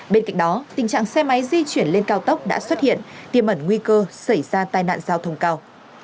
bên cạnh đó tình trạng xe máy di chuyển lên cao tốc đã xuất hiện tiềm ẩn nguy cơ xảy ra tai nạn giao thông cao